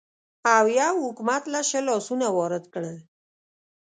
اویو حکومت له شله اسونه وارد کړل.